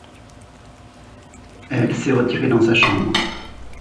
Elle s’est retirée dans sa chambre.